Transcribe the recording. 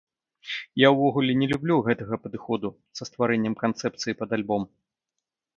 Я ўвогуле не люблю гэтага падыходу са стварэннем канцэпцыі пад альбом.